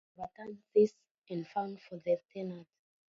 The Court of Appeal overturned this and found for the tenant.